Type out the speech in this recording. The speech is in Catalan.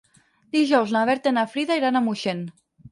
Dijous na Berta i na Frida iran a Moixent.